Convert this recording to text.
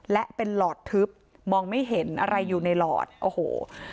และเป็นหลอดทึบมองไม่เห็นอะไรอยู่ในหลอดโอ้โห